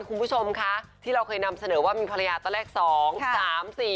คุณผู้ชมคะที่เราเคยนำเสนอว่ามีภรรยาตั้งแต่๒๓๔